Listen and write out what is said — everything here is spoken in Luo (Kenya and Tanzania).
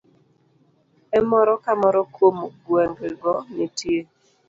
E moro ka moro kuom gwenge go, nitie